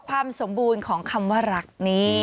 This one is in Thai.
ความสมบูรณ์ของคำว่ารักนี่